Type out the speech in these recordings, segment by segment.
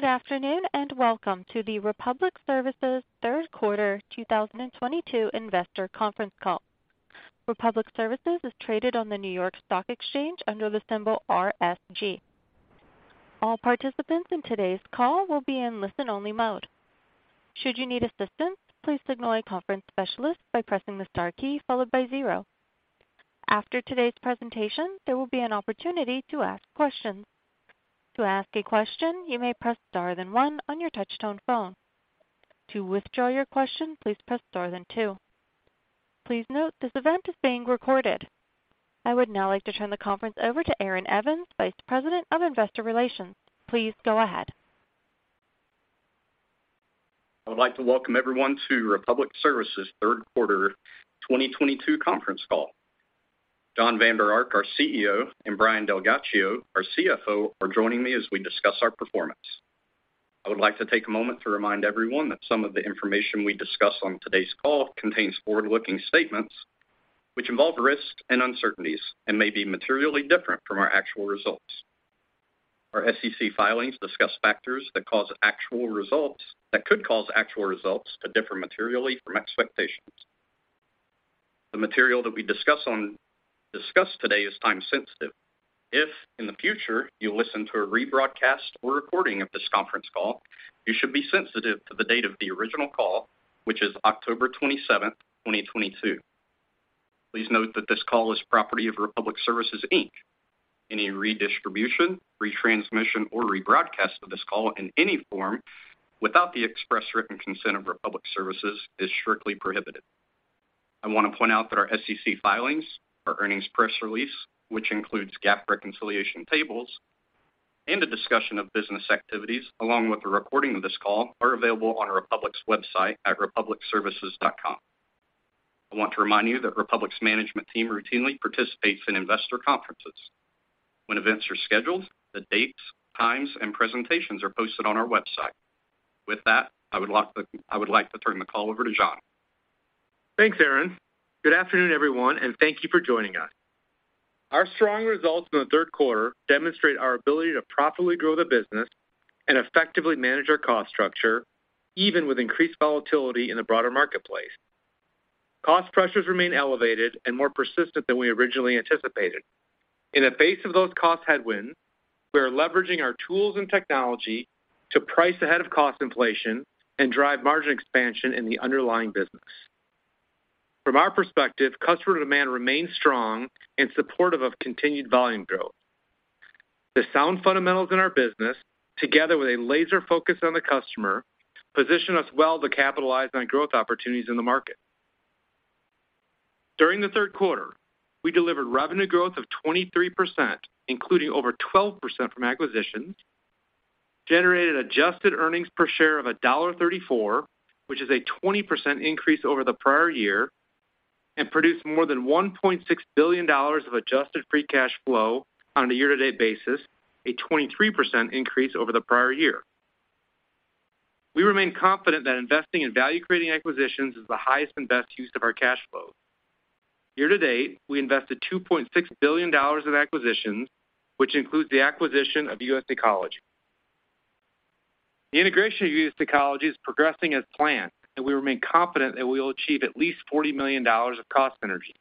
Good afternoon, and welcome to the Republic Services third quarter 2022 investor conference call. Republic Services is traded on the New York Stock Exchange under the symbol RSG. All participants in today's call will be in listen-only mode. Should you need assistance, please signal a conference specialist by pressing the star key followed by zero. After today's presentation, there will be an opportunity to ask questions. To ask a question, you may press star then one on your touchtone phone. To withdraw your question, please press star then two. Please note this event is being recorded. I would now like to turn the conference over to Aaron Evans, Vice President of Investor Relations. Please go ahead. I would like to welcome everyone to Republic Services third quarter 2022 conference call. Jon Vander Ark, our CEO, and Brian DelGhiaccio, our CFO, are joining me as we discuss our performance. I would like to take a moment to remind everyone that some of the information we discuss on today's call contains forward-looking statements which involve risks and uncertainties and may be materially different from our actual results. Our SEC filings discuss factors that could cause actual results to differ materially from expectations. The material that we discuss today is time-sensitive. If, in the future, you listen to a rebroadcast or recording of this conference call, you should be sensitive to the date of the original call, which is October 27, 2022. Please note that this call is property of Republic Services, Inc. Any redistribution, retransmission, or rebroadcast of this call in any form without the express written consent of Republic Services is strictly prohibited. I want to point out that our SEC filings, our earnings press release, which includes GAAP reconciliation tables, and a discussion of business activities, along with a recording of this call, are available on Republic's website at republicservices.com. I want to remind you that Republic's management team routinely participates in investor conferences. When events are scheduled, the dates, times, and presentations are posted on our website. With that, I would like to turn the call over to Jon. Thanks, Aaron. Good afternoon, everyone, and thank you for joining us. Our strong results in the third quarter demonstrate our ability to profitably grow the business and effectively manage our cost structure, even with increased volatility in the broader marketplace. Cost pressures remain elevated and more persistent than we originally anticipated. In the face of those cost headwinds, we are leveraging our tools and technology to price ahead of cost inflation and drive margin expansion in the underlying business. From our perspective, customer demand remains strong in support of a continued volume growth. The sound fundamentals in our business, together with a laser focus on the customer, position us well to capitalize on growth opportunities in the market. During the third quarter, we delivered revenue growth of 23%, including over 12% from acquisitions, generated adjusted earnings per share of $1.34, which is a 20% increase over the prior year, and produced more than $1.6 billion of adjusted free cash flow on a year-to-date basis, a 23% increase over the prior year. We remain confident that investing in value-creating acquisitions is the highest and best use of our cash flow. Year to date, we invested $2.6 billion in acquisitions, which includes the acquisition of US Ecology. The integration of US Ecology is progressing as planned, and we remain confident that we will achieve at least $40 million of cost synergies.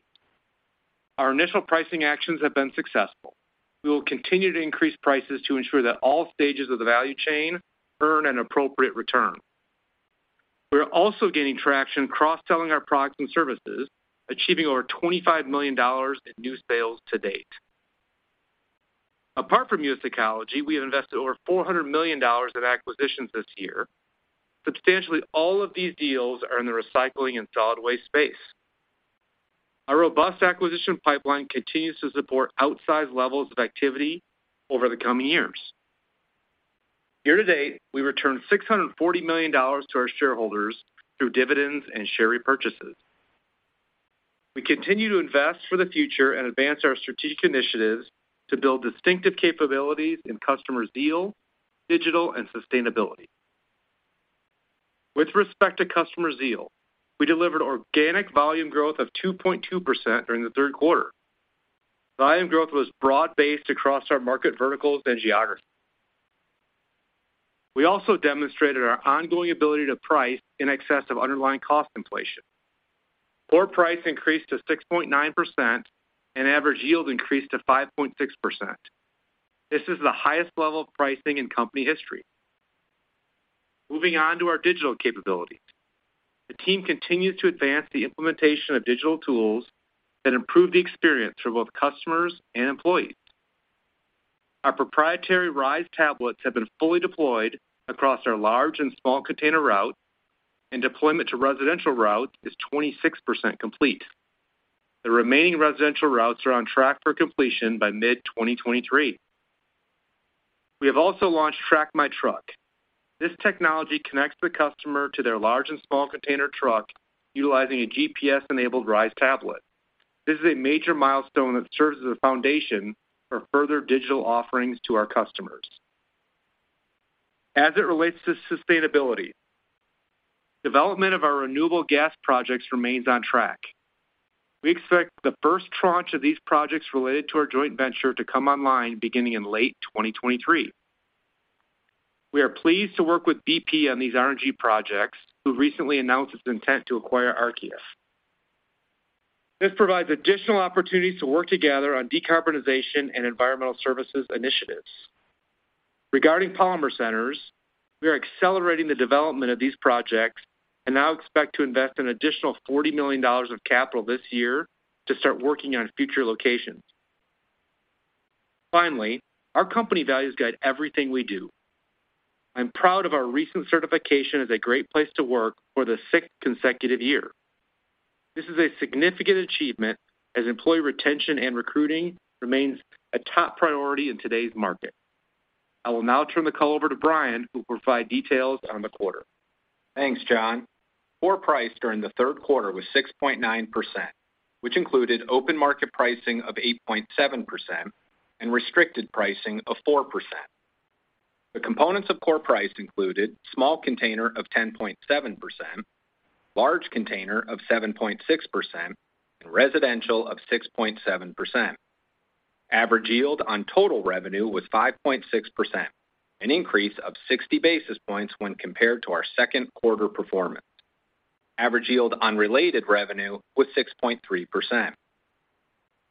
Our initial pricing actions have been successful. We will continue to increase prices to ensure that all stages of the value chain earn an appropriate return. We are also gaining traction cross-selling our products and services, achieving over $25 million in new sales to date. Apart from US Ecology, we have invested over $400 million in acquisitions this year. Substantially all of these deals are in the recycling and solid waste space. Our robust acquisition pipeline continues to support outsized levels of activity over the coming years. Year to date, we returned $640 million to our shareholders through dividends and share repurchases. We continue to invest for the future and advance our strategic initiatives to build distinctive capabilities in customer zeal, digital, and sustainability. With respect to customer zeal, we delivered organic volume growth of 2.2% during the third quarter. Volume growth was broad-based across our market verticals and geographies. We also demonstrated our ongoing ability to price in excess of underlying cost inflation. Core price increased to 6.9%, and average yield increased to 5.6%. This is the highest level of pricing in company history. Moving on to our digital capabilities. The team continues to advance the implementation of digital tools that improve the experience for both customers and employees. Our proprietary RISE tablets have been fully deployed across our large and small container routes, and deployment to residential routes is 26% complete. The remaining residential routes are on track for completion by mid-2023. We have also launched Track My Truck. This technology connects the customer to their large and small container truck utilizing a GPS-enabled RISE tablet. This is a major milestone that serves as a foundation for further digital offerings to our customers. As it relates to sustainability. Development of our renewable gas projects remains on track. We expect the first tranche of these projects related to our joint venture to come online beginning in late 2023. We are pleased to work with BP on these RNG projects, who recently announced its intent to acquire Archaea. This provides additional opportunities to work together on decarbonization and environmental services initiatives. Regarding Polymer Centers, we are accelerating the development of these projects and now expect to invest an additional $40 million of capital this year to start working on future locations. Finally, our company values guide everything we do. I am proud of our recent certification as a Great Place to Work for the sixth consecutive year. This is a significant achievement as employee retention and recruiting remains a top priority in today's market. I will now turn the call over to Brian, who will provide details on the quarter. Thanks, Jon. Core price during the third quarter was 6.9%, which included open market pricing of 8.7% and restricted pricing of 4%. The components of core price included small container of 10.7%, large container of 7.6%, and residential of 6.7%. Average yield on total revenue was 5.6%, an increase of 60 basis points when compared to our second quarter performance. Average yield on related revenue was 6.3%.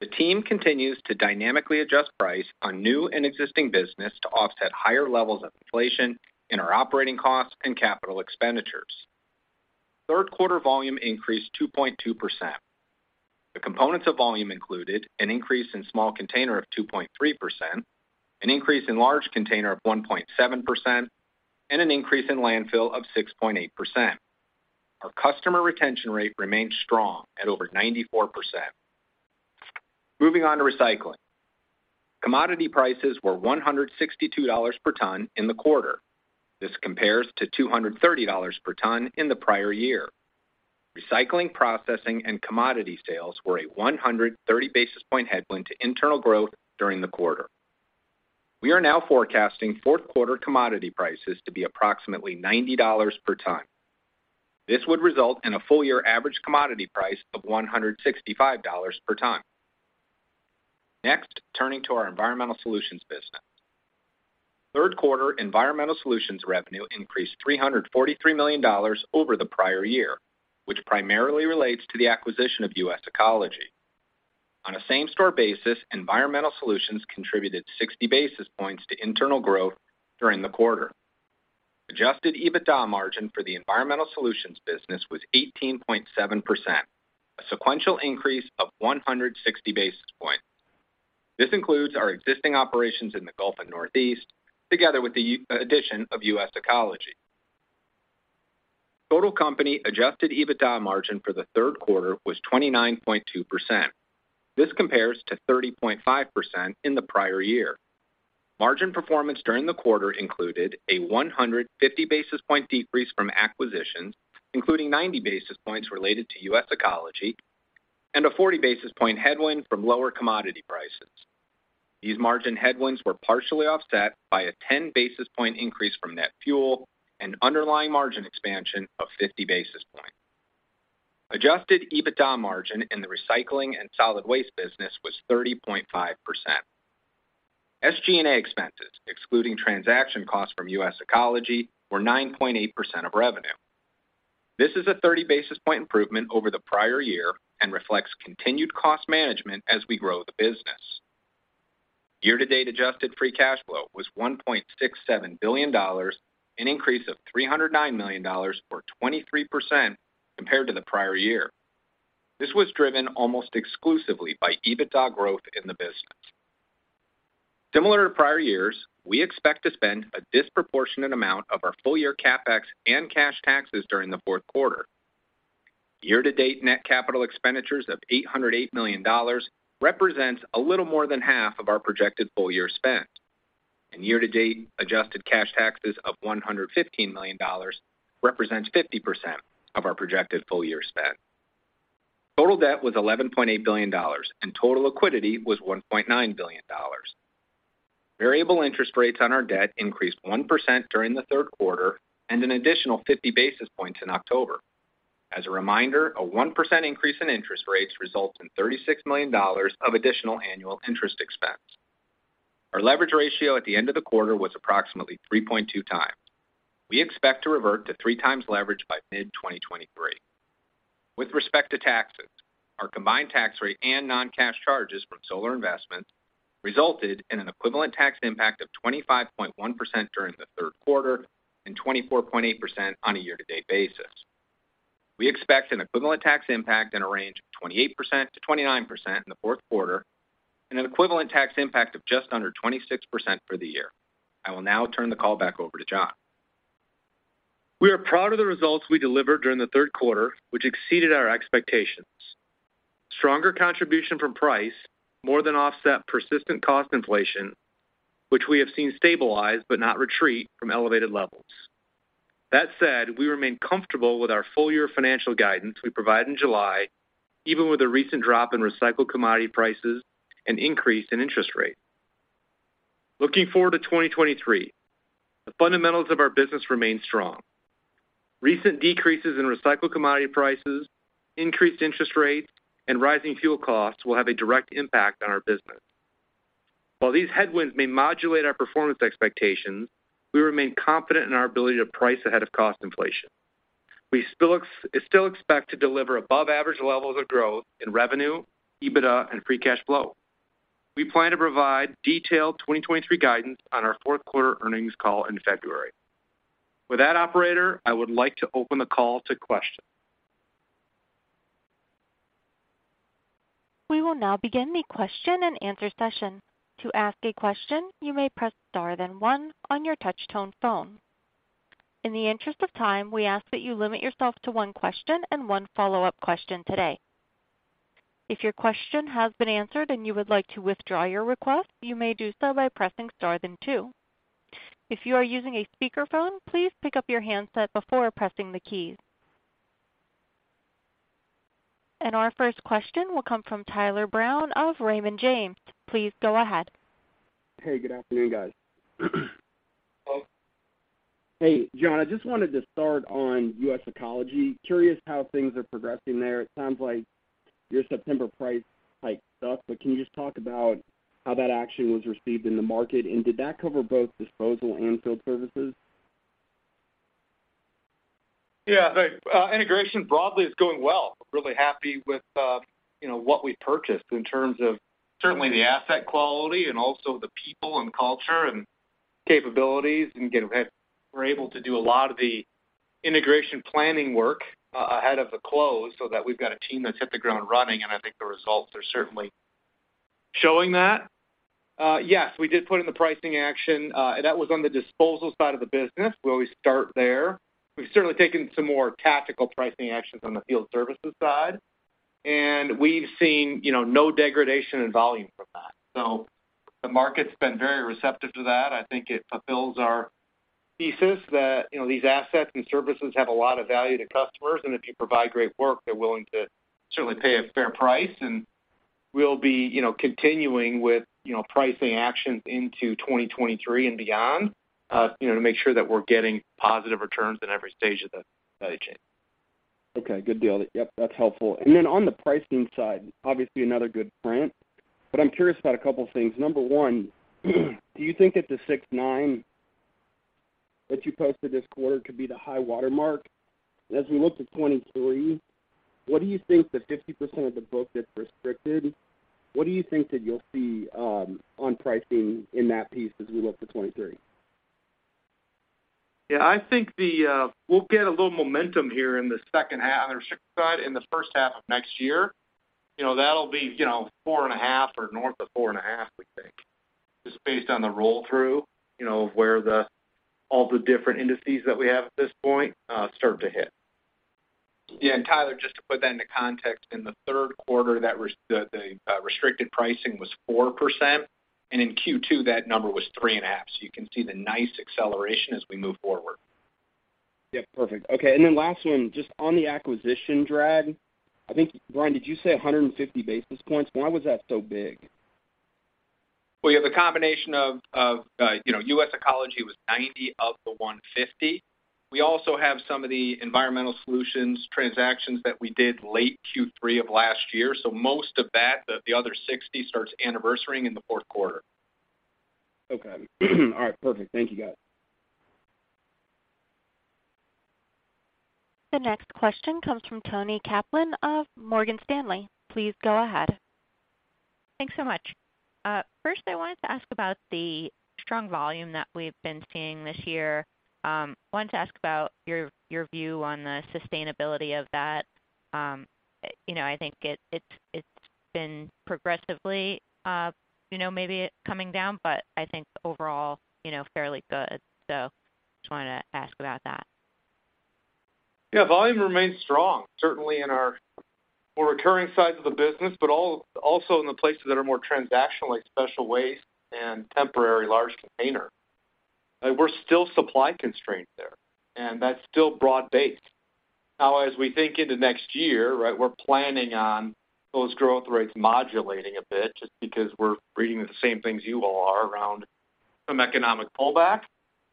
The team continues to dynamically adjust price on new and existing business to offset higher levels of inflation in our operating costs and capital expenditures. Third quarter volume increased 2.2%. The components of volume included an increase in small container of 2.3%, an increase in large container of 1.7%, and an increase in landfill of 6.8%. Our customer retention rate remains strong at over 94%. Moving on to recycling. Commodity prices were $162 per ton in the quarter. This compares to $230 per ton in the prior year. Recycling, processing and commodity sales were a 130 basis point headwind to internal growth during the quarter. We are now forecasting fourth quarter commodity prices to be approximately $90 per ton. This would result in a full-year average commodity price of $165 per ton. Next, turning to our Environmental Solutions business. Third quarter Environmental Solutions revenue increased $343 million over the prior year, which primarily relates to the acquisition of US Ecology. On a same-store basis, Environmental Solutions contributed 60 basis points to internal growth during the quarter. Adjusted EBITDA margin for the Environmental Solutions business was 18.7%, a sequential increase of 160 basis points. This includes our existing operations in the Gulf and Northeast together with the addition of US Ecology. Total company Adjusted EBITDA margin for the third quarter was 29.2%. This compares to 30.5% in the prior year. Margin performance during the quarter included a 150 basis point decrease from acquisitions, including 90 basis points related to US Ecology and a 40 basis point headwind from lower commodity prices. These margin headwinds were partially offset by a 10 basis point increase from net fuel and underlying margin expansion of 50 basis points. Adjusted EBITDA margin in the recycling and solid waste business was 30.5%. SG&A expenses, excluding transaction costs from US Ecology, were 9.8% of revenue. This is a 30 basis point improvement over the prior year and reflects continued cost management as we grow the business. Year-to-date adjusted free cash flow was $1.67 billion, an increase of $309 million or 23% compared to the prior year. This was driven almost exclusively by EBITDA growth in the business. Similar to prior years, we expect to spend a disproportionate amount of our full year CapEx and cash taxes during the fourth quarter. Year-to-date net capital expenditures of $808 million represents a little more than half of our projected full-year spend. Year-to-date adjusted cash taxes of $115 million represents 50% of our projected full year spend. Total debt was $11.8 billion and total liquidity was $1.9 billion. Variable interest rates on our debt increased 1% during the third quarter and an additional 50 basis points in October. As a reminder, a 1% increase in interest rates results in $36 million of additional annual interest expense. Our leverage ratio at the end of the quarter was approximately 3.2x. We expect to revert to 3x leverage by mid-2023. With respect to taxes, our combined tax rate and non-cash charges from solar investments resulted in an equivalent tax impact of 25.1% during the third quarter and 24.8% on a year-to-date basis. We expect an equivalent tax impact in a range of 28%-29% in the fourth quarter and an equivalent tax impact of just under 26% for the year. I will now turn the call back over to Jon. We are proud of the results we delivered during the third quarter, which exceeded our expectations. Stronger contribution from price more than offset persistent cost inflation, which we have seen stabilize but not retreat from elevated levels. That said, we remain comfortable with our full-year financial guidance we provided in July, even with a recent drop in recycled commodity prices and increase in interest rate. Looking forward to 2023, the fundamentals of our business remain strong. Recent decreases in recycled commodity prices, increased interest rates, and rising fuel costs will have a direct impact on our business. While these headwinds may modulate our performance expectations, we remain confident in our ability to price ahead of cost inflation. We still expect to deliver above average levels of growth in revenue, EBITDA, and free cash flow. We plan to provide detailed 2023 guidance on our fourth-quarter earnings call in February. With that, operator, I would like to open the call to questions. We will now begin the question-and-answer session. To ask a question, you may press star then one on your touchtone phone. In the interest of time, we ask that you limit yourself to one question and one follow-up question today. If your question has been answered and you would like to withdraw your request, you may do so by pressing star then two. If you are using a speakerphone, please pick up your handset before pressing the keys. Our first question will come from Tyler Brown of Raymond James. Please go ahead. Hey, good afternoon, guys. Hey, Jon, I just wanted to start on US Ecology. Curious how things are progressing there. It sounds like your September price hike stuck, but can you just talk about how that action was received in the market? Did that cover both disposal and field services? Yeah, the integration broadly is going well. Really happy with, you know, what we purchased in terms of certainly the asset quality and also the people and culture and capabilities. We're able to do a lot of the integration planning work ahead of the close so that we've got a team that's hit the ground running, and I think the results are certainly showing that. Yes, we did put in the pricing action, and that was on the disposal side of the business. We always start there. We've certainly taken some more tactical pricing actions on the field services side. We've seen, you know, no degradation in volume from that. The market's been very receptive to that. I think it fulfills our thesis that, you know, these assets and services have a lot of value to customers, and if you provide great work, they're willing to certainly pay a fair price. We'll be, you know, continuing with, you know, pricing actions into 2023 and beyond, you know, to make sure that we're getting positive returns in every stage of the chain. Okay, good deal. Yep, that's helpful. On the pricing side, obviously another good print, but I'm curious about a couple things. Number one, do you think that the 6.9 that you posted this quarter could be the high watermark? As we look to 2023, what do you think the 50% of the book that's restricted, what do you think that you'll see on pricing in that piece as we look to 2023? Yeah, I think we'll get a little momentum here in the second half, on the ship side in the first half of next year. You know, that'll be, you know, 4.5% or north of 4.5%, we think, just based on the roll-through, you know, of where all the different indices that we have at this point start to hit. Yeah, and Tyler, just to put that into context, in the third quarter that restricted pricing was 4%, and in Q2 that number was 3.5%. You can see the nice acceleration as we move forward. Yeah, perfect. Okay, last one, just on the acquisition drag, I think, Brian, did you say 150 basis points? Why was that so big? Well, you have a combination of, you know, US Ecology was 90 of the 150. We also have some of the Environmental Solutions transactions that we did late Q3 of last year. Most of that, the other 60, starts anniversary in the fourth quarter. Okay. All right, perfect. Thank you guys. The next question comes from Toni Kaplan of Morgan Stanley. Please go ahead. Thanks so much. First I wanted to ask about the strong volume that we've been seeing this year. Wanted to ask about your view on the sustainability of that. You know, I think it's been progressively, you know, maybe coming down, but I think overall, you know, fairly good. Just wanted to ask about that. Yeah, volume remains strong, certainly in our more recurring sides of the business, but also in the places that are more transactional, like special waste and temporary large container. We're still supply constrained there, and that's still broad-based. Now, as we think into next year, right, we're planning on those growth rates modulating a bit just because we're reading the same things you all are around some economic pullback.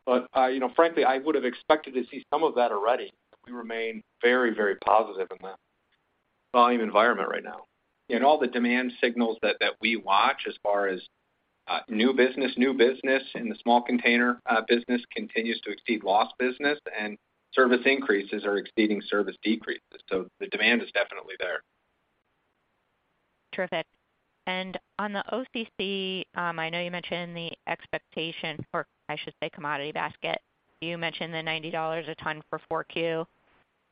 But you know, frankly, I would have expected to see some of that already. We remain very, very positive in the volume environment right now. In all the demand signals that we watch as far as new business in the small container business continues to exceed lost business, and service increases are exceeding service decreases. So the demand is definitely there. Terrific. On the OCC, I know you mentioned the expectation or I should say commodity basket. You mentioned the $90 a ton for 4Q.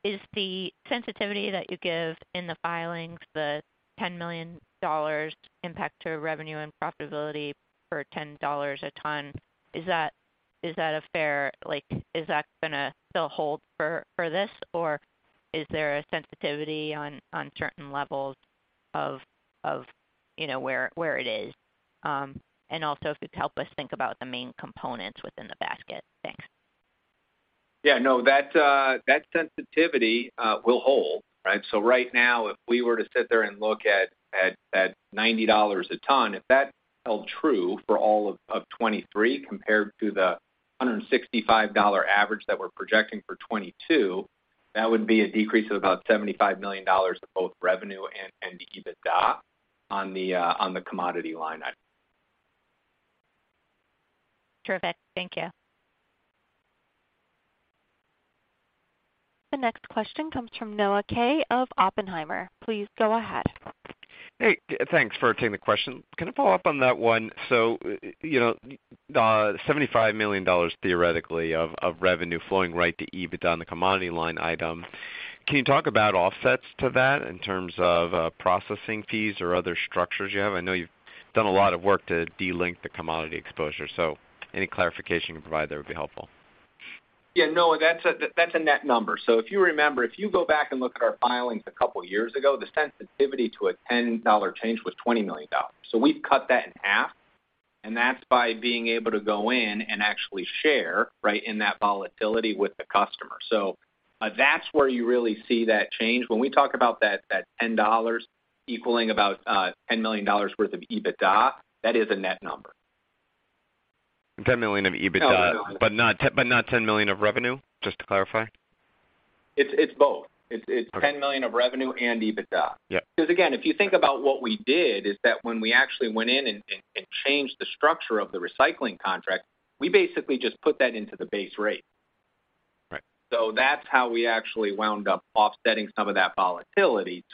Is the sensitivity that you give in the filings, the $10 million impact to revenue and profitability for $10 a ton, is that a fair, like, is that gonna still hold for this? Or is there a sensitivity on certain levels of, you know, where it is? And also if you could help us think about the main components within the basket. Thanks. Yeah, no, that sensitivity will hold, right? Right now, if we were to sit there and look at $90 a ton, if that held true for all of 2023 compared to the $165 average that we're projecting for 2022, that would be a decrease of about $75 million of both revenue and EBITDA on the commodity line item. Terrific. Thank you. The next question comes from Noah Kaye of Oppenheimer. Please go ahead. Hey, thanks for taking the question. Can I follow up on that one? You know, $75 million theoretically of revenue flowing right to EBITDA on the commodity line item. Can you talk about offsets to that in terms of processing fees or other structures you have? I know you've done a lot of work to de-link the commodity exposure, so any clarification you can provide there would be helpful. Yeah, Noah, that's a net number. If you remember, if you go back and look at our filings a couple years ago, the sensitivity to a $10 change was $20 million. We've cut that in half, and that's by being able to go in and actually share, right, in that volatility with the customer. That's where you really see that change. When we talk about that $10 equaling about $10 million worth of EBITDA, that is a net number. $10 million of EBITDA. No... not $10 million of revenue, just to clarify? It's both. It's $10 million of revenue and EBITDA. Yeah. 'Cause again, if you think about what we did is that when we actually went in and changed the structure of the recycling contract, we basically just put that into the base rate. Right. That's how we actually wound up offsetting some of that volatility.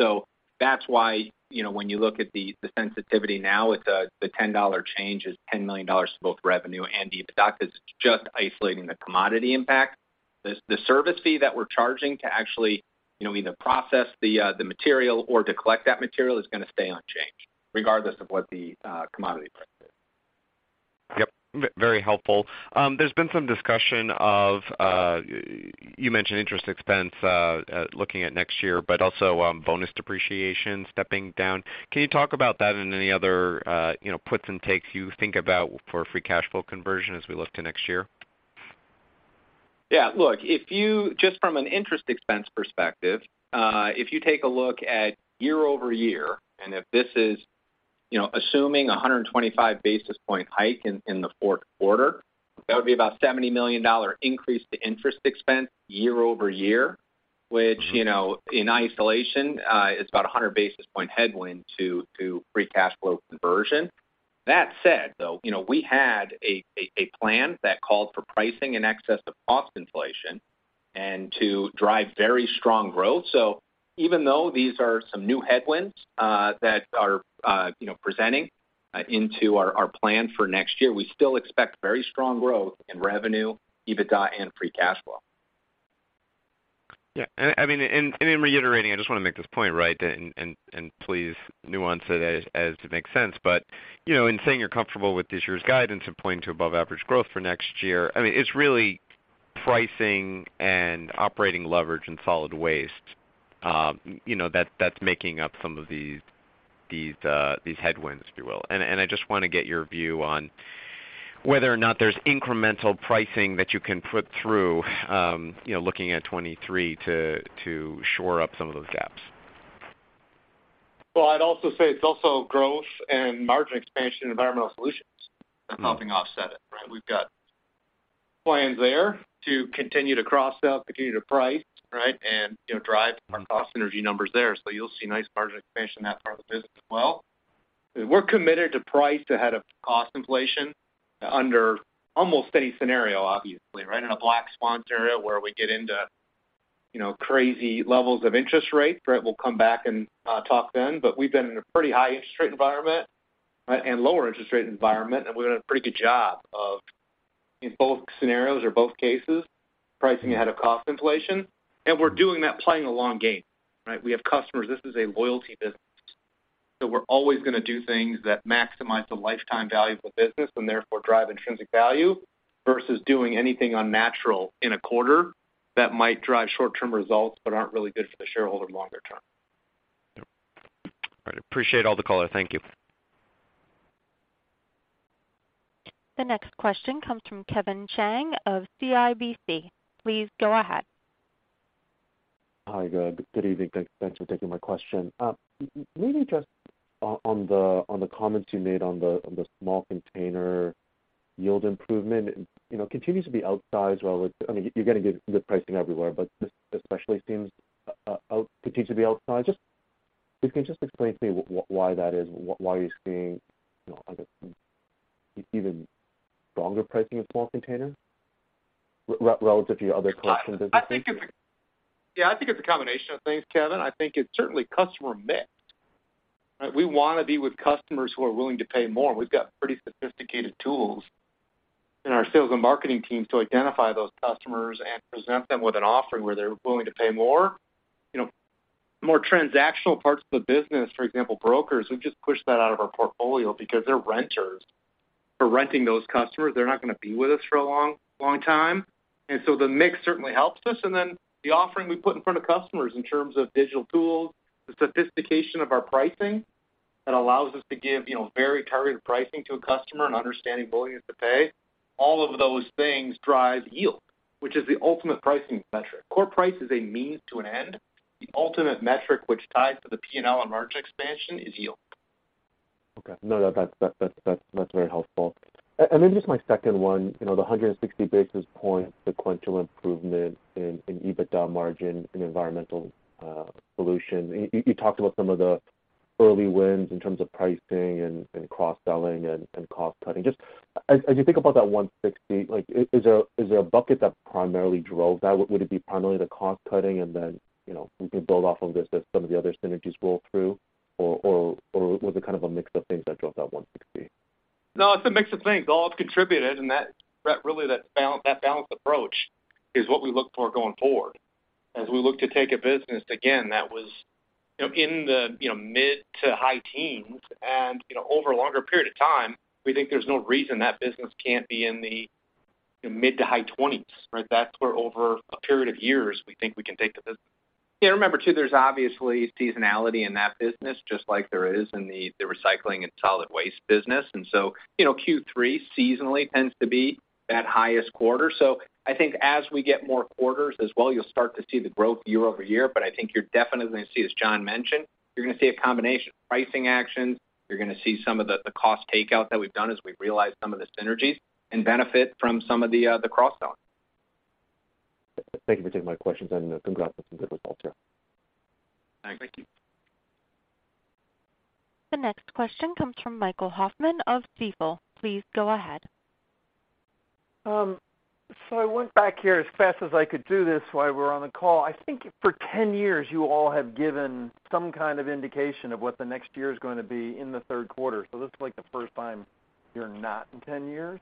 That's why, you know, when you look at the sensitivity now with the $10 change is $10 million to both revenue and EBITDA is just isolating the commodity impact. The service fee that we're charging to actually, you know, either process the material or to collect that material is gonna stay unchanged, regardless of what the commodity price is. Yep, very helpful. There's been some discussion of you mentioned interest expense looking at next year, but also bonus depreciation stepping down. Can you talk about that and any other, you know, puts and takes you think about for free cash flow conversion as we look to next year? Yeah. Look, just from an interest expense perspective, if you take a look at year-over-year, and if this is, you know, assuming 125 basis point hike in the fourth quarter, that would be about $70 million increase to interest expense year-over-year, which, you know, in isolation, is about 100 basis point headwind to free cash flow conversion. That said, though, you know, we had a plan that called for pricing in excess of cost inflation and to drive very strong growth. Even though these are some new headwinds that are, you know, presenting into our plan for next year, we still expect very strong growth in revenue, EBITDA, and free cash flow. Yeah. I mean, in reiterating, I just wanna make this point right and please nuance it to make sense. You know, in saying you're comfortable with this year's guidance and pointing to above average growth for next year, I mean, it's really pricing and operating leverage and solid waste, you know, that's making up some of these headwinds, if you will. I just wanna get your view on whether or not there's incremental pricing that you can put through, you know, looking at 2023 to shore up some of those gaps. Well, I'd also say it's also growth and margin expansion in Environmental Solutions that's helping offset it, right? We've got plans there to continue to cross-sell, continue to price, right, and, you know, drive our cost synergy numbers there. So you'll see nice margin expansion in that part of the business as well. We're committed to price ahead of cost inflation under almost any scenario, obviously, right? In a black swan scenario where we get into, you know, crazy levels of interest rates, right, we'll come back and talk then. But we've been in a pretty high interest rate environment, right, and lower interest rate environment, and we've done a pretty good job of, in both scenarios or both cases, pricing ahead of cost inflation. We're doing that playing a long game, right? We have customers, this is a loyalty business. We're always gonna do things that maximize the lifetime value of the business and therefore drive intrinsic value versus doing anything unnatural in a quarter that might drive short-term results but aren't really good for the shareholder longer-term. Yep. All right. Appreciate all the color. Thank you. The next question comes from Sabahat Khan of CIBC. Please go ahead. Hi, good. Good evening. Thanks for taking my question. Maybe just on the comments you made on the small container yield improvement, you know, continues to be outsized. Well, I mean, you're getting good pricing everywhere, but this especially seems continues to be outsized. If you can just explain to me why that is, why you're seeing, you know, even stronger pricing in small containers relative to your other collection businesses. I think it's Yeah, I think it's a combination of things, Khan. I think it's certainly customer mix, right? We wanna be with customers who are willing to pay more, and we've got pretty sophisticated tools in our sales and marketing teams to identify those customers and present them with an offering where they're willing to pay more. You know, more transactional parts of the business, for example, brokers, we've just pushed that out of our portfolio because they're renters. We're renting those customers. They're not gonna be with us for a long, long time. The mix certainly helps us. The offering we put in front of customers in terms of digital tools, the sophistication of our pricing that allows us to give, you know, very targeted pricing to a customer and understanding willingness to pay. All of those things drive yield, which is the ultimate pricing metric. Core price is a means to an end. The ultimate metric which ties to the P&L and margin expansion is yield. Okay. No, that's very helpful. Just my second one, you know, the 160 basis points sequential improvement in EBITDA margin in Environmental Solutions. You talked about some of the early wins in terms of pricing and cross-selling and cost cutting. Just as you think about that 160, like, is there a bucket that primarily drove that? Would it be primarily the cost cutting and then, you know, you can build off of this as some of the other synergies roll through? Or was it kind of a mix of things that drove that 160? No, it's a mix of things. All have contributed, and that balanced approach is what we look for going forward. As we look to take a business again, that was, you know, in the, you know, mid- to high teens, and, you know, over a longer period of time, we think there's no reason that business can't be in the mid- to high 20s, right? That's where over a period of years, we think we can take the business. Yeah, remember too, there's obviously seasonality in that business, just like there is in the recycling and solid waste business. You know, Q3 seasonally tends to be that highest quarter. I think as we get more quarters as well, you'll start to see the growth year-over-year. I think you're definitely going to see, as Jon mentioned, you're gonna see a combination of pricing actions, you're gonna see some of the cost takeout that we've done as we realize some of the synergies and benefit from some of the cross-selling. Thank you for taking my questions and congrats on some good results here. Thanks. Thank you. The next question comes from Michael Hoffman of Stifel. Please go ahead. I went back here as fast as I could do this while we're on the call. I think for 10 years, you all have given some kind of indication of what the next year is gonna be in the third quarter. This is like the first time you're not in 10 years.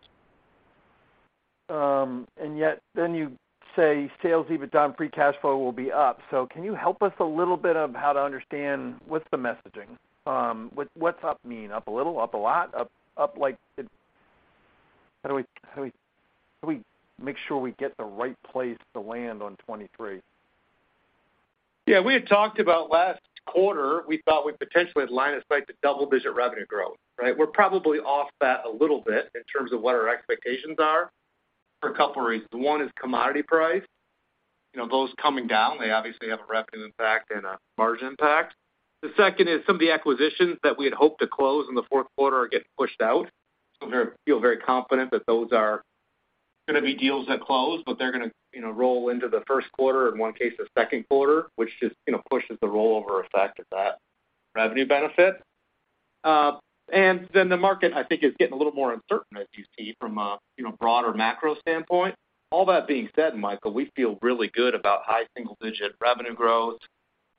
Then you say sales, EBITDA and free cash flow will be up. Can you help us a little bit of how to understand what's the messaging? What's up mean? Up a little? Up a lot? Up, up like how? How do we make sure we get the right place to land on 2023? Yeah, we had talked about last quarter, we thought we potentially had line of sight to double-digit revenue growth, right? We're probably off that a little bit in terms of what our expectations are for a couple of reasons. One is commodity price. You know, those coming down, they obviously have a revenue impact and a margin impact. The second is some of the acquisitions that we had hoped to close in the fourth quarter are getting pushed out. We feel very confident that those are gonna be deals that close, but they're gonna, you know, roll into the first quarter, in one case, the second quarter, which just, you know, pushes the rollover effect of that revenue benefit. The market, I think, is getting a little more uncertain, as you see from a, you know, broader macro standpoint. All that being said, Michael, we feel really good about high single digit revenue growth,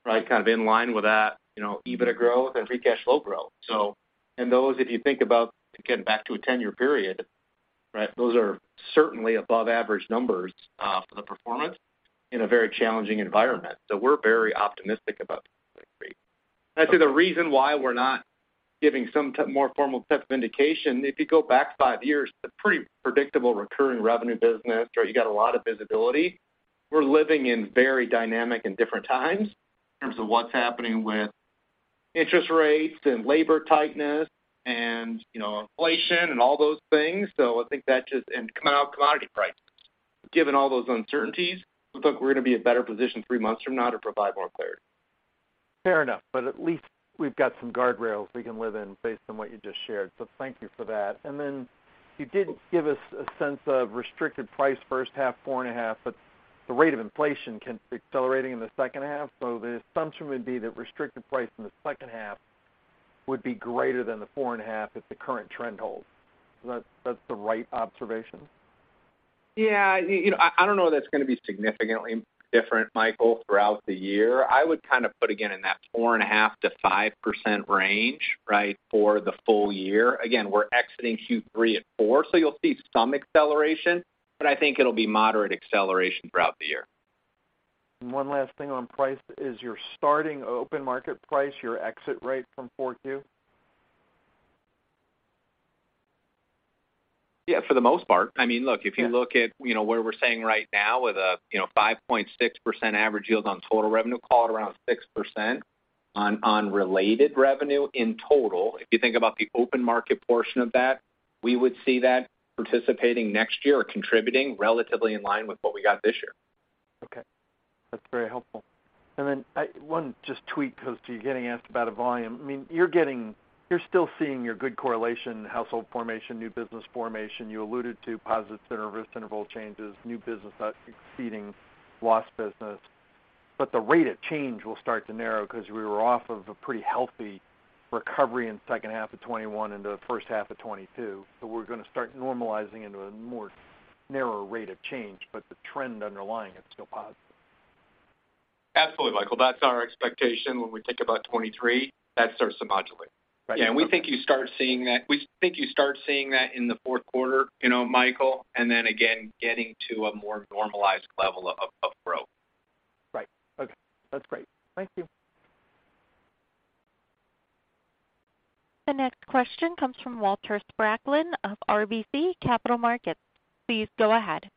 right? Kind of in line with that, you know, EBITDA growth and free cash flow growth. Those, if you think about, again, back to a 10-year period, right? Those are certainly above average numbers for the performance in a very challenging environment. We're very optimistic about. I'd say the reason why we're not giving some more formal type of indication, if you go back five years, it's a pretty predictable recurring revenue business, right? You got a lot of visibility. We're living in very dynamic and different times in terms of what's happening with interest rates and labor tightness and, you know, inflation and all those things. I think that just and commodity prices. Given all those uncertainties, we think we're gonna be in a better position three months from now to provide more clarity. Fair enough. At least we've got some guardrails we can live with based on what you just shared. Thank you for that. Then you did give us a sense of core price first half, 4.5%, but the rate of inflation accelerating in the second half. The assumption would be that core price in the second half would be greater than the 4.5% if the current trend holds. Is that the right observation? Yeah. You know, I don't know that's gonna be significantly different, Michael, throughout the year. I would kind of put again in that 4.5%-5% range, right, for the full year. Again, we're exiting Q3 at 4%, so you'll see some acceleration, but I think it'll be moderate acceleration throughout the year. One last thing on price. Is your starting open market price your exit rate from 4Q? Yeah, for the most part. I mean, look, if you look at, you know, where we're sitting right now with a, you know, 5.6% average yield on total revenue, call it around 6% on related revenue in total. If you think about the open market portion of that, we would see that participating next year or contributing relatively in line with what we got this year. Okay. That's very helpful. One just tweak because you're getting asked about a volume. I mean, you're still seeing your good correlation, household formation, new business formation. You alluded to positive center risk interval changes, new business exceeding lost business. The rate of change will start to narrow because we were off of a pretty healthy recovery in second half of 2021 into the first half of 2022. We're gonna start normalizing into a more narrower rate of change, but the trend underlying it is still positive. Absolutely, Michael. That's our expectation when we think about 2023. That starts to modulate. Yeah, we think you start seeing that in the fourth quarter, you know, Michael, and then again, getting to a more normalized level of growth. Right. Okay. That's great. Thank you. The next question comes from Walter Spracklin of RBC Capital Markets. Please go ahead.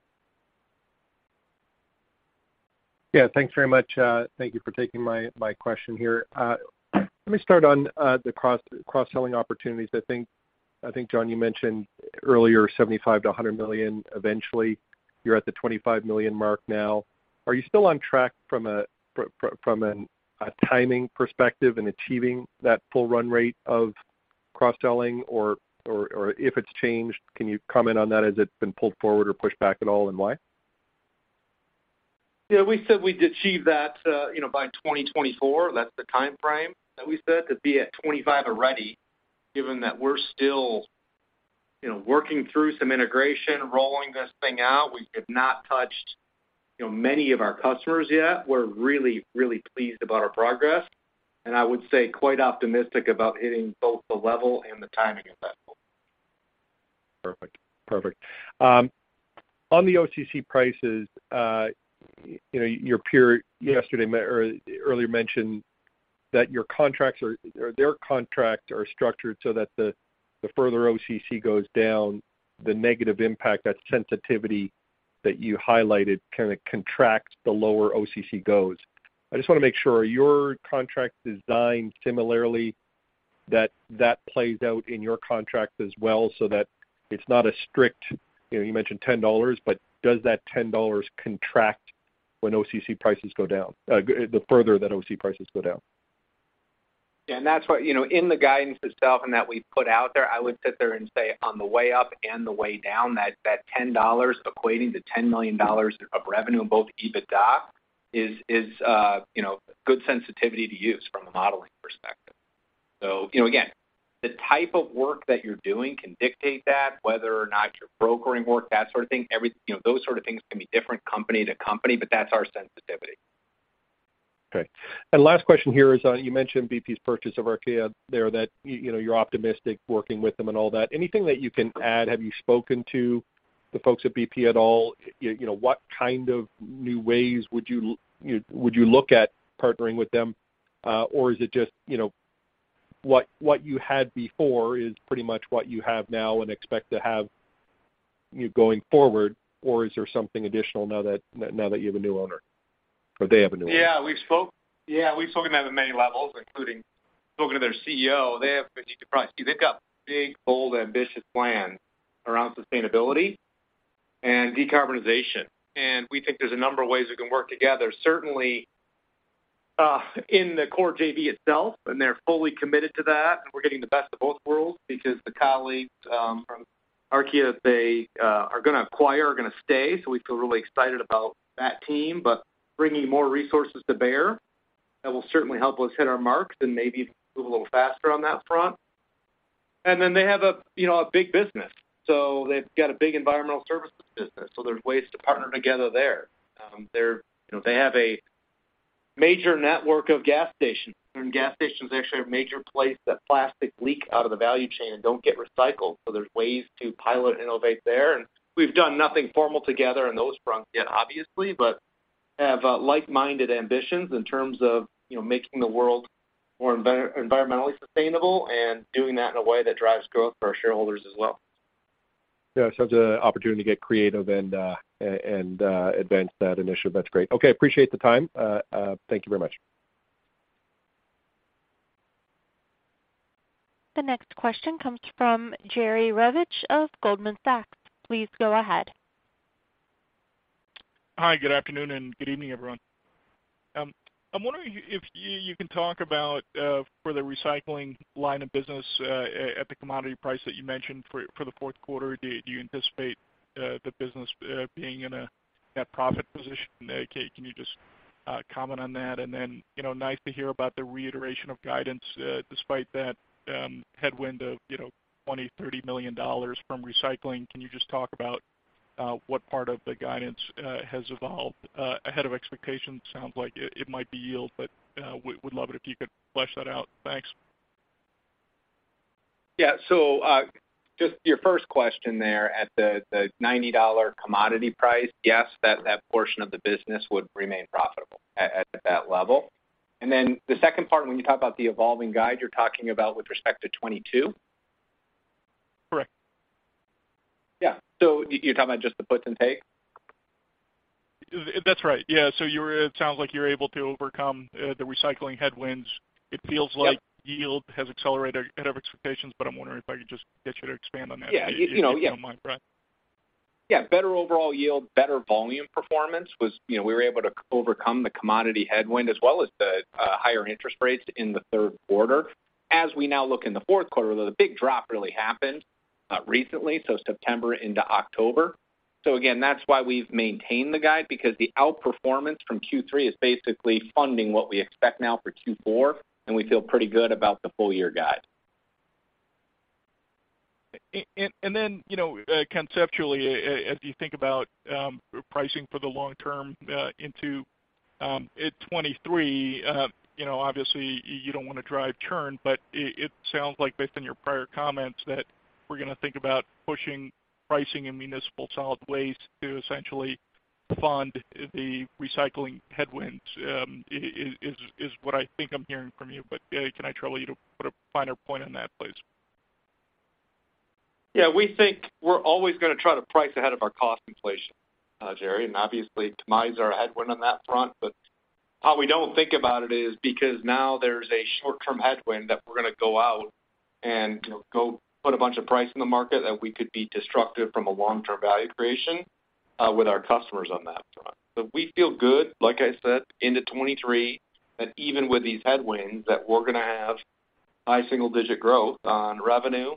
Yeah. Thanks very much. Thank you for taking my question here. Let me start on the cross-selling opportunities. I think, Jon, you mentioned earlier $75 million-$100 million eventually. You're at the $25 million mark now. Are you still on track from a timing perspective in achieving that full run rate of cross-selling? Or if it's changed, can you comment on that? Has it been pulled forward or pushed back at all, and why? Yeah, we said we'd achieve that, you know, by 2024. That's the timeframe that we said. To be at 25 already, given that we're still, you know, working through some integration, rolling this thing out, we have not touched, you know, many of our customers yet. We're really, really pleased about our progress. I would say quite optimistic about hitting both the level and the timing of that goal. Perfect. On the OCC prices, you know, your peer yesterday or earlier mentioned that your contracts are, or their contracts are structured so that the further OCC goes down, the negative impact, that sensitivity that you highlighted kind of contracts the lower OCC goes. I just wanna make sure, are your contracts designed similarly that that plays out in your contracts as well so that it's not a strict, you know, you mentioned $10, but does that $10 contract when OCC prices go down, the further that OCC prices go down? Yeah, that's why, you know, in the guidance itself and that we put out there, I would sit there and say on the way up and the way down, that $10 equating to $10 million of revenue in both EBITDA is good sensitivity to use from a modeling perspective. You know, again, the type of work that you're doing can dictate that, whether or not your brokering work, that sort of thing. You know, those sort of things can be different company to company, but that's our sensitivity. Okay. Last question here is, you mentioned BP's purchase of Archaea there, that you know, you're optimistic working with them and all that. Anything that you can add? Have you spoken to the folks at BP at all? You know, what kind of new ways would you look at partnering with them? Or is it just, you know, what you had before is pretty much what you have now and expect to have going forward, or is there something additional now that you have a new owner, or they have a new owner? Yeah, we've spoken to them at many levels, including spoken to their CEO. They have a strategic priority. They've got big, bold, ambitious plans around sustainability and decarbonization, and we think there's a number of ways we can work together, certainly, in the core JV itself, and they're fully committed to that. We're getting the best of both worlds because the colleagues from Archaea they are gonna acquire are gonna stay, so we feel really excited about that team, but bringing more resources to bear, that will certainly help us hit our marks and maybe move a little faster on that front. They have a, you know, a big business. They've got a big environmental services business, so there's ways to partner together there. They're, you know, they have a major network of gas stations, and gas stations actually have major places that plastic leaks out of the value chain and don't get recycled, so there's ways to pilot and innovate there. We've done nothing formal together in those fronts yet, obviously, but have like-minded ambitions in terms of, you know, making the world more environmentally sustainable and doing that in a way that drives growth for our shareholders as well. Yeah. Sounds an opportunity to get creative and advance that initiative. That's great. Okay, appreciate the time. Thank you very much. The next question comes from Jerry Revich of Goldman Sachs. Please go ahead. Hi, good afternoon and good evening, everyone. I'm wondering if you can talk about for the recycling line of business at the commodity price that you mentioned for the fourth quarter. Do you anticipate the business being in that profit position? Can you just comment on that? You know, nice to hear about the reiteration of guidance despite that headwind of $20-$30 million from recycling. Can you just talk about what part of the guidance has evolved ahead of expectations? Sounds like it might be yield, but we would love it if you could flesh that out. Thanks. Yeah. Just your first question there at the $90 commodity price, yes. That portion of the business would remain profitable at that level. Then the second part, when you talk about the evolving guide, you're talking about with respect to 2022? Correct. Yeah. You, you're talking about just the puts and takes? That's right. Yeah. You were, it sounds like you're able to overcome, the recycling headwinds. It feels like. Yep. Yield has accelerated ahead of expectations, but I'm wondering if I could just get you to expand on that. Yeah. You know, yeah. If you don't mind, Brian. Yeah. Better overall yield, better volume performance was, you know, we were able to overcome the commodity headwind as well as the higher interest rates in the third quarter. As we now look in the fourth quarter, though, the big drop really happened recently, so September into October. Again, that's why we've maintained the guide because the outperformance from Q3 is basically funding what we expect now for Q4, and we feel pretty good about the full year guide. Then, you know, conceptually, as you think about pricing for the long-term into 2023, you know, obviously you don't wanna drive churn, but it sounds like based on your prior comments that we're gonna think about pushing pricing in municipal solid waste to essentially fund the recycling headwinds, is what I think I'm hearing from you. Can I trouble you to put a finer point on that, please? Yeah, we think we're always gonna try to price ahead of our cost inflation, Jerry, and obviously, commodities are a headwind on that front. How we don't think about it is because now there's a short-term headwind that we're gonna go out and put a bunch of price in the market that we could be destructive from a long-term value creation with our customers on that front. We feel good, like I said, into 2023, that even with these headwinds, that we're gonna have high single digit growth on revenue,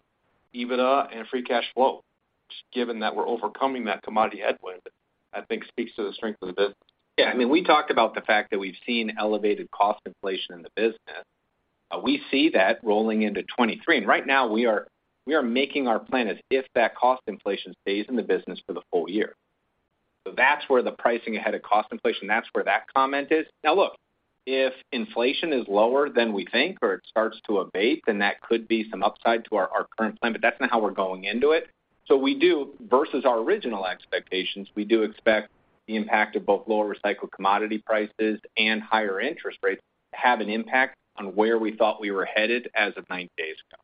EBITDA, and free cash flow, just given that we're overcoming that commodity headwind, I think speaks to the strength of the business. Yeah. I mean, we talked about the fact that we've seen elevated cost inflation in the business. We see that rolling into 2023. Right now, we are making our plan as if that cost inflation stays in the business for the full year. That's where the pricing ahead of cost inflation, that's where that comment is. Now look, if inflation is lower than we think or it starts to abate, then that could be some upside to our current plan, but that's not how we're going into it. We do versus our original expectations, we do expect the impact of both lower recycled commodity prices and higher interest rates to have an impact on where we thought we were headed as of 90 days ago.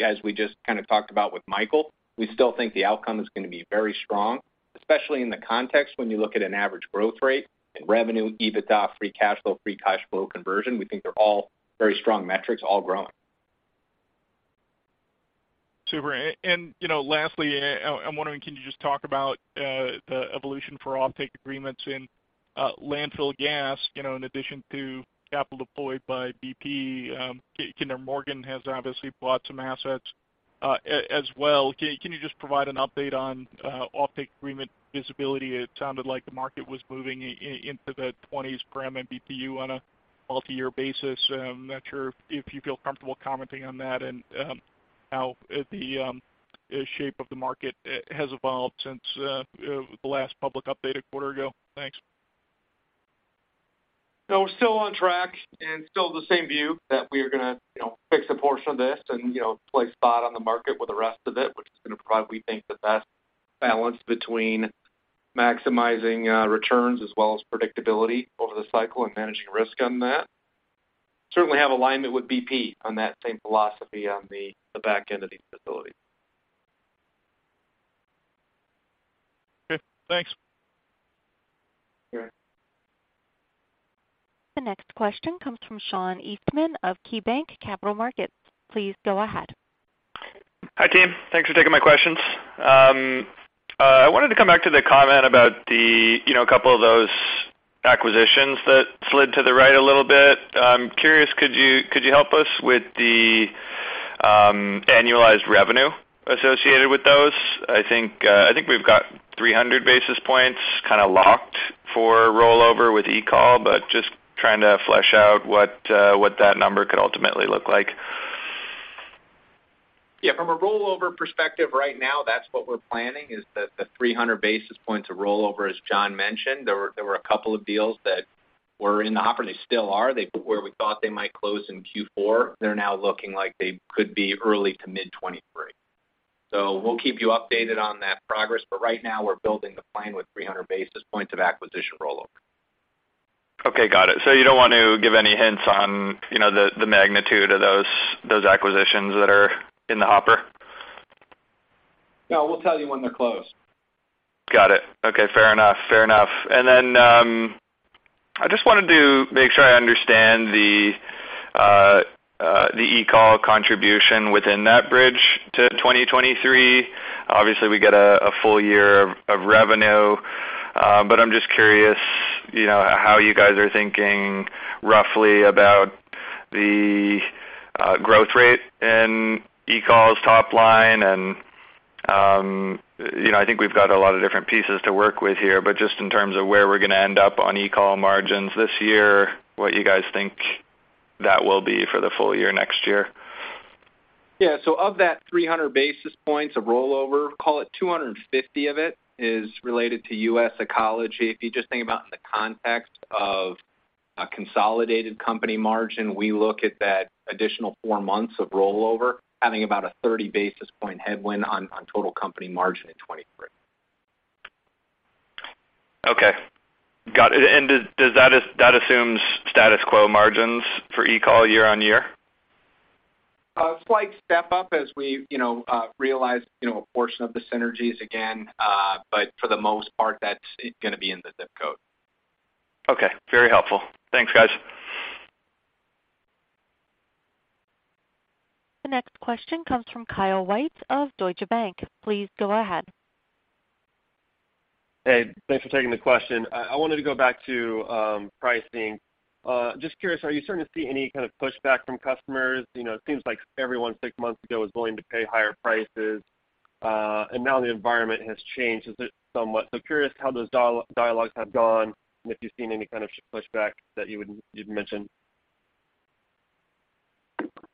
As we just kind of talked about with Michael, we still think the outcome is gonna be very strong, especially in the context when you look at an average growth rate in revenue, EBITDA, free cash flow, free cash flow conversion. We think they're all very strong metrics, all growing. Super. You know, lastly, I'm wondering, can you just talk about the evolution of offtake agreements in landfill gas, you know, in addition to capital deployed by BP, Kinder Morgan has obviously bought some assets, as well. Can you just provide an update on offtake agreement visibility? It sounded like the market was moving into the 20s per MMBtu on a multiyear basis. I'm not sure if you feel comfortable commenting on that and how the shape of the market has evolved since the last public update a quarter ago. Thanks. No, we're still on track and still the same view that we are gonna, you know, fix a portion of this and, you know, play spot on the market with the rest of it, which is gonna provide, we think, the best balance between maximizing returns as well as predictability over the cycle and managing risk on that. Certainly have alignment with BP on that same philosophy on the back end of these facilities. Okay, thanks. You're welcome. The next question comes from Sean Eastman of KeyBanc Capital Markets. Please go ahead. Hi, team. Thanks for taking my questions. I wanted to come back to the comment about the, you know, couple of those acquisitions that slid to the right a little bit. I'm curious, could you help us with the annualized revenue associated with those? I think we've got 300 basis points kinda locked for rollover with US Ecology, but just trying to flesh out what that number could ultimately look like. Yeah, from a rollover perspective right now, that's what we're planning is the 300 basis points of rollover, as Jon mentioned. There were a couple of deals that were in the hopper. They still are where we thought they might close in Q4, they're now looking like they could be early to mid 2023. We'll keep you updated on that progress, but right now we're building the plan with 300 basis points of acquisition rollover. Okay, got it. You don't want to give any hints on, you know, the magnitude of those acquisitions that are in the hopper? No, we'll tell you when they're closed. Got it. Okay, fair enough. Then, I just wanted to make sure I understand the US Ecology contribution within that bridge to 2023. Obviously, we get a full year of revenue, but I'm just curious, you know, how you guys are thinking roughly about the growth rate in US Ecology's top line. You know, I think we've got a lot of different pieces to work with here, but just in terms of where we're gonna end up on US Ecology margins this year, what you guys think that will be for the full year next year. Yeah. Of that 300 basis points of rollover, call it 250 of it is related to US Ecology. If you just think about in the context of a consolidated company margin, we look at that additional four months of rollover having about a 30 basis point headwind on total company margin in 2023. Okay. Got it. Does that assumes status quo margins for US Ecology year-over-year? A slight step up as we, you know, realize, you know, a portion of the synergies again. For the most part, that's gonna be in the zip code. Okay, very helpful. Thanks, guys. The next question comes from Kyle White of Deutsche Bank. Please go ahead. Hey, thanks for taking the question. I wanted to go back to pricing. Just curious, are you starting to see any kind of pushback from customers? You know, it seems like everyone six months ago was willing to pay higher prices, and now the environment has changed somewhat. Curious how those dialogues have gone and if you've seen any kind of pushback that you'd mention.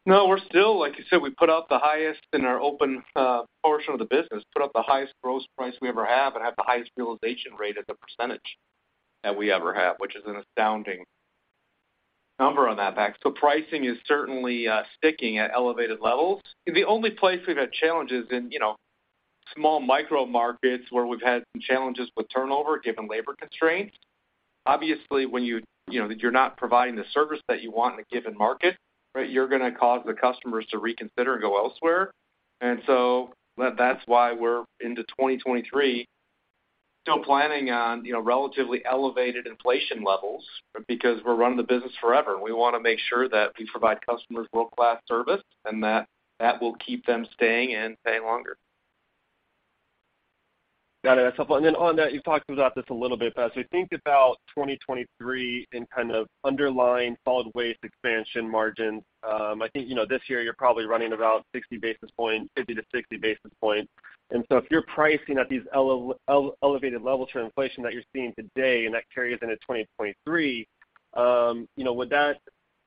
No, we're still, like you said, we put up the highest in our open portion of the business, put up the highest gross price we ever have and have the highest realization rate as a percentage that we ever have, which is an astounding number on that, Kyle. Pricing is certainly sticking at elevated levels. The only place we've had challenges in, you know, small micro markets where we've had some challenges with turnover given labor constraints. Obviously, when you know, you're not providing the service that you want in a given market, right, you're gonna cause the customers to reconsider and go elsewhere. That's why we're into 2023 still planning on, you know, relatively elevated inflation levels because we're running the business forever. We wanna make sure that we provide customers world-class service, and that will keep them staying and staying longer. Got it. That's helpful. On that, you've talked about this a little bit, but as we think about 2023 in kind of underlying solid waste expansion margin, I think, you know, this year you're probably running about 60 basis points, 50-60 basis points. If you're pricing at these elevated levels for inflation that you're seeing today, and that carries into 2023, you know, would that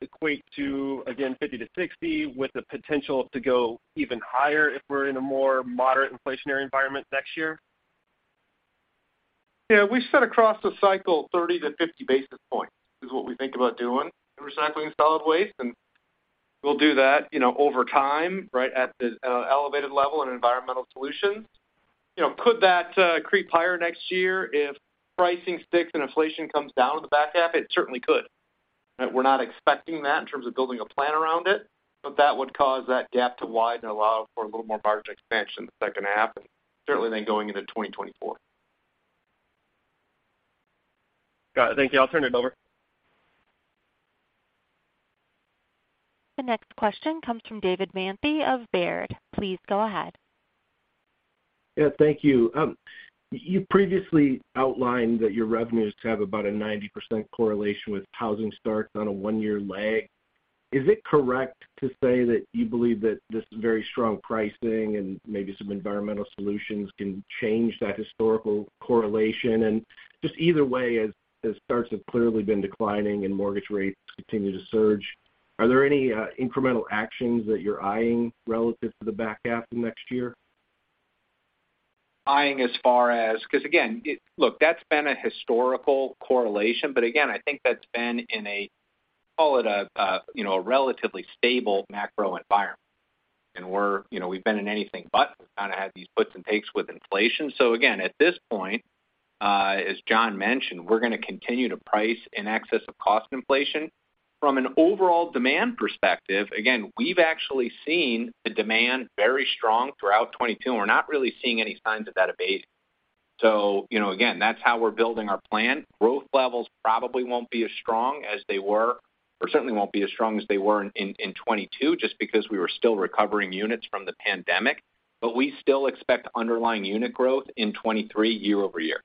equate to, again, 50-60 with the potential to go even higher if we're in a more moderate inflationary environment next year? Yeah. We set across the cycle 30-50 basis points is what we think about doing in recycling solid waste, and we'll do that, you know, over time, right, at the elevated level in Environmental Solutions. You know, could that creep higher next year if pricing sticks and inflation comes down in the back half? It certainly could. We're not expecting that in terms of building a plan around it, but that would cause that gap to widen and allow for a little more margin expansion in the second half, and certainly then going into 2024. Got it. Thank you. I'll turn it over. The next question comes from David Manthey of Baird. Please go ahead. Yeah. Thank you. You previously outlined that your revenues have about a 90% correlation with housing starts on a one-year lag. Is it correct to say that you believe that this very strong pricing and maybe some Environmental Solutions can change that historical correlation? Just either way, as starts have clearly been declining and mortgage rates continue to surge, are there any incremental actions that you're eyeing relative to the back half of next year? I mean as far as, 'cause again, look, that's been a historical correlation, but again, I think that's been in a call it a you know a relatively stable macro environment. We're, you know, we've been in anything but. We've kind of had these puts and takes with inflation. At this point, as Jon mentioned, we're gonna continue to price in excess of cost inflation. From an overall demand perspective, again, we've actually seen the demand very strong throughout 2022, and we're not really seeing any signs of that abating. You know, again, that's how we're building our plan. Growth levels probably won't be as strong as they were, or certainly won't be as strong as they were in 2022, just because we were still recovering units from the pandemic. We still expect underlying unit growth in 2023 year-over-year.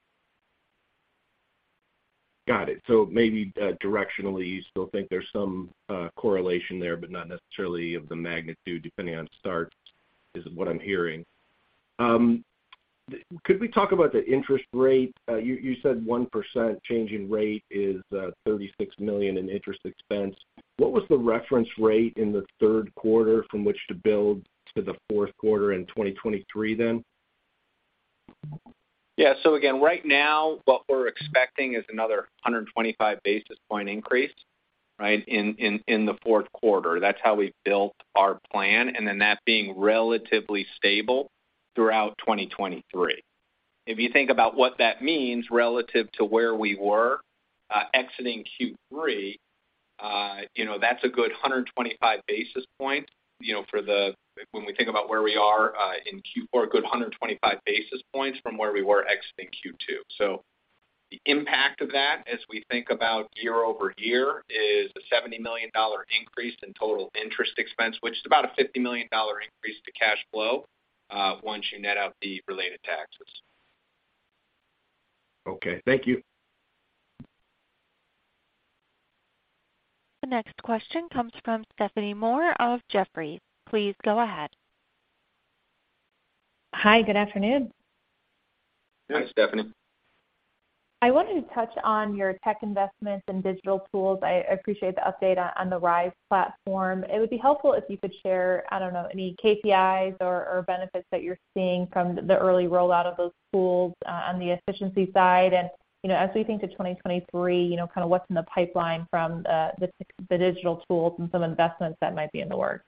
Got it. Maybe directionally, you still think there's some correlation there, but not necessarily of the magnitude depending on starts, is what I'm hearing. Could we talk about the interest rate? You said 1% change in rate is $36 million in interest expense. What was the reference rate in the third quarter from which to build to the fourth quarter in 2023 then? Yeah. Again, right now, what we're expecting is another 125 basis points increase, right, in the fourth quarter. That's how we've built our plan, and then that being relatively stable throughout 2023. If you think about what that means relative to where we were exiting Q3, you know, that's a good 125 basis points. When we think about where we are in Q4, a good 125 basis points from where we were exiting Q2. The impact of that as we think about year-over-year is a $70 million increase in total interest expense, which is about a $50 million increase to cash flow once you net out the related taxes. Okay. Thank you. The next question comes from Stephanie Moore of Jefferies. Please go ahead. Hi. Good afternoon. Hi, Stephanie. I wanted to touch on your tech investments and digital tools. I appreciate the update on the RISE platform. It would be helpful if you could share, I don't know, any KPIs or benefits that you're seeing from the early rollout of those tools on the efficiency side. You know, as we think to 2023, you know, kind of what's in the pipeline from the digital tools and some investments that might be in the works.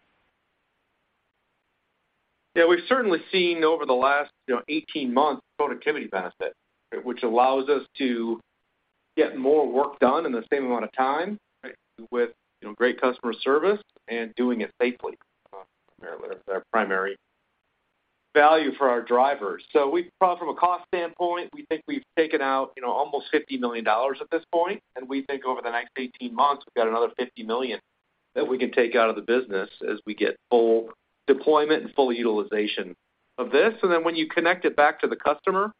Yeah. We've certainly seen over the last, you know, 18 months productivity benefit, which allows us to get more work done in the same amount of time, right, with, you know, great customer service and doing it safely. Primarily that's our primary value for our drivers. From a cost standpoint, we think we've taken out, you know, almost $50 million at this point, and we think over the next 18 months, we've got another $50 million that we can take out of the business as we get full deployment and full utilization of this. When you connect it back to the customer,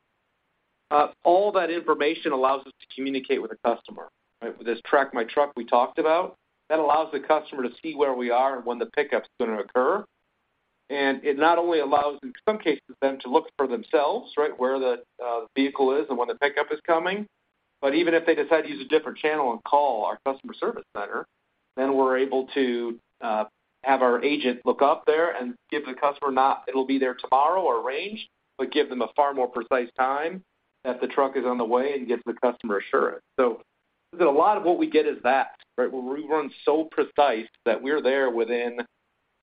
all that information allows us to communicate with the customer, right? With this Track My Truck we talked about, that allows the customer to see where we are and when the pickup's gonna occur. It not only allows, in some cases, them to look for themselves, right, where the vehicle is and when the pickup is coming, but even if they decide to use a different channel and call our customer service center, then we're able to have our agent look up there and give the customer not it'll be there tomorrow or range, but give them a far more precise time that the truck is on the way and give the customer assurance. There's a lot of what we get is that, right? Where we run so precise that we're there within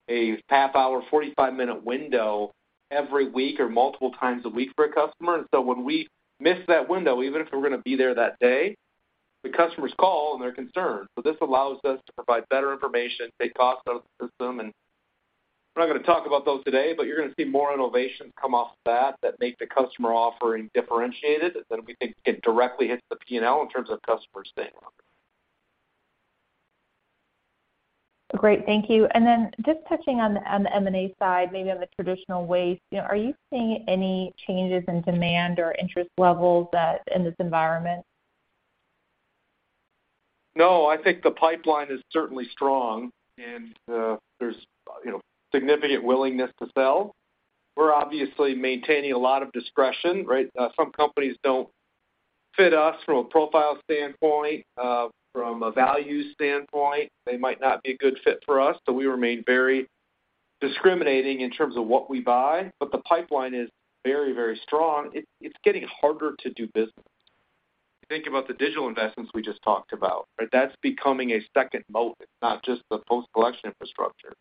a half hour, 45-minute window every week or multiple times a week for a customer. When we miss that window, even if we're gonna be there that day, the customers call and they're concerned. This allows us to provide better information, take costs out of the system, and we're not gonna talk about those today, but you're gonna see more innovations come off that make the customer offering differentiated than we think it directly hits the P&L in terms of customers staying longer. Great. Thank you. Just touching on the M&A side, maybe on the traditional waste, you know, are you seeing any changes in demand or interest levels in this environment? No, I think the pipeline is certainly strong, and there's, you know, significant willingness to sell. We're obviously maintaining a lot of discretion, right? Some companies don't fit us from a profile standpoint, from a value standpoint, they might not be a good fit for us, so we remain very discriminating in terms of what we buy. The pipeline is very, very strong. It's getting harder to do business. Think about the digital investments we just talked about, right? That's becoming a second moat, not just the post-collection infrastructure.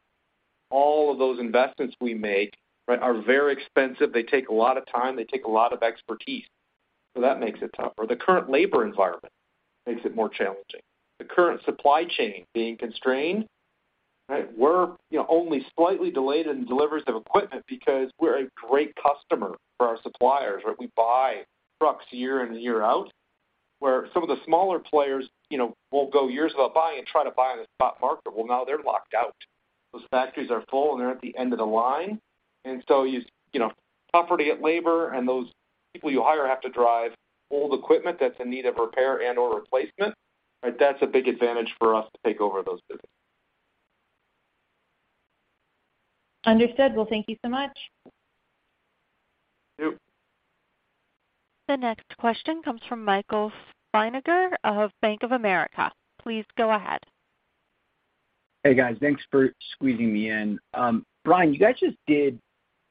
All of those investments we make, right, are very expensive. They take a lot of time. They take a lot of expertise. So that makes it tougher. The current labor environment makes it more challenging. The current supply chain being constrained, right? We're you know only slightly delayed in deliveries of equipment because we're a great customer for our suppliers, right? We buy trucks year in and year out, where some of the smaller players, you know, will go years without buying and try to buy on the spot market. Well, now they're locked out. Those factories are full, and they're at the end of the line. You know, it's tougher to get labor, and those people you hire have to drive old equipment that's in need of repair and/or replacement. Right? That's a big advantage for us to take over those businesses. Understood. Well, thank you so much. Thank you. The next question comes from Michael Hoffman of Bank of America. Please go ahead. Hey, guys. Thanks for squeezing me in. Brian, you guys just did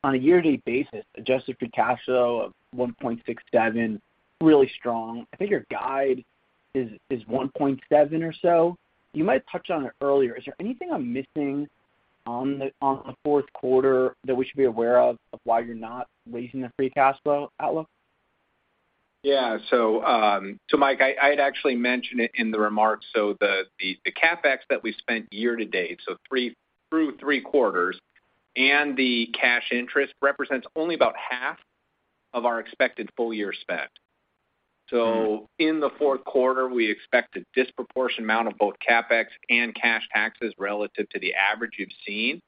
on a year-to-date basis, adjusted free cash flow of $1.67, really strong. I think your guide is $1.7 or so. You might have touched on it earlier. Is there anything I'm missing on the fourth quarter that we should be aware of why you're not raising the free cash flow outlook? Yeah, Mike, I'd actually mentioned it in the remarks. The CapEx that we spent year to date, through three quarters, and the cash interest represents only about half of our expected full year spend. In the fourth quarter, we expect a disproportionate amount of both CapEx and cash taxes relative to the average you've seen.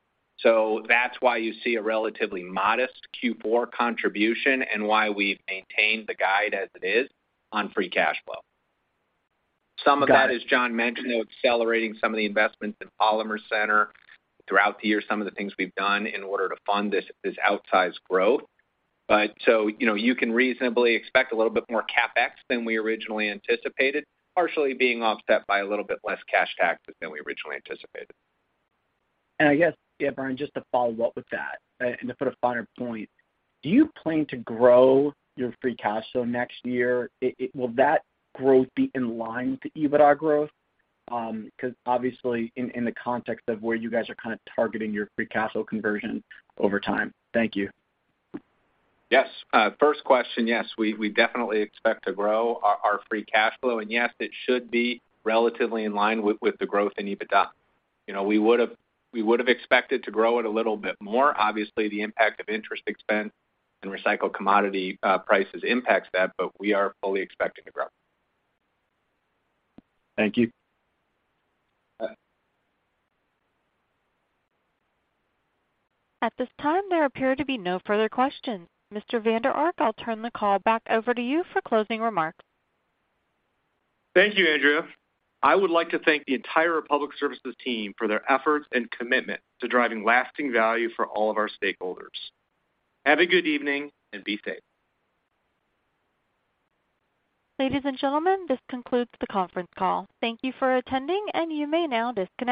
That's why you see a relatively modest Q4 contribution and why we've maintained the guide as it is on free cash flow. Some of that, as Jon mentioned, though, accelerating some of the investments in Polymer Center throughout the year, some of the things we've done in order to fund this outsized growth. you know, you can reasonably expect a little bit more CapEx than we originally anticipated, partially being offset by a little bit less cash taxes than we originally anticipated. I guess, Brian, just to follow up with that, and to put a finer point, do you plan to grow your free cash flow next year? Will that growth be in line to EBITDA growth? 'Cause obviously in the context of where you guys are kind of targeting your free cash flow conversion over time. Thank you. Yes. First question, yes, we definitely expect to grow our free cash flow and yes it should be relatively in line with the growth in EBITDA. You know, we would've expected to grow it a little bit more. Obviously, the impact of interest expense and recycled commodity prices impacts that, but we are fully expecting to grow. Thank you. Yeah. At this time, there appear to be no further questions. Mr. Vander Ark, I'll turn the call back over to you for closing remarks. Thank you, Andrea. I would like to thank the entire Republic Services team for their efforts and commitment to driving lasting value for all of our stakeholders. Have a good evening and be safe. Ladies and gentlemen, this concludes the conference call. Thank you for attending and you may now disconnect.